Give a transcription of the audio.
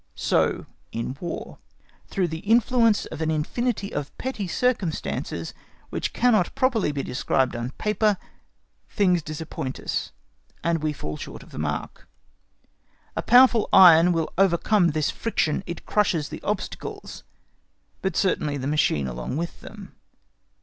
So in War, through the influence of an infinity of petty circumstances, which cannot properly be described on paper, things disappoint us, and we fall short of the mark. A powerful iron will overcomes this friction; it crushes the obstacles, but certainly the machine along with them.